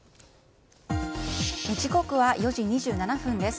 時刻は４時２７分です。